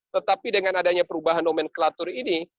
tetapi dengan adanya perubahan nomenklatur ini